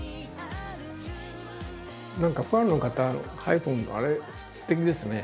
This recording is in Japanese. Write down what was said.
何かファンの方のハイフンのあれすてきですね。